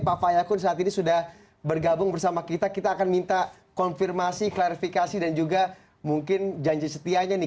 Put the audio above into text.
pak fayakun saat ini sudah bergabung bersama kita kita akan minta konfirmasi klarifikasi dan juga mungkin janji setianya nih